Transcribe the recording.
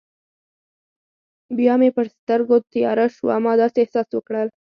بیا مې پر سترګو تیاره شوه، ما داسې احساس وکړل.